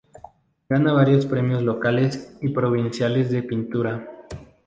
Gana varios premios locales y provinciales de pintura.